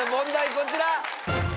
こちら！